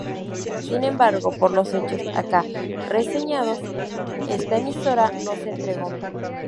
Sin embargo, por los hechos acá reseñados, esta emisora no se entregó.